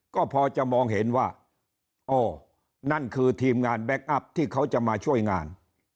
ก็พอจะมองเห็นว่าอ๋อนั่นคือทีมงานแบ็คอัพที่เขาจะมาช่วยงาน